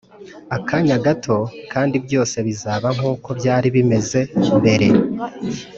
akanya gato kandi byose bizaba nkuko byari bimeze mbere.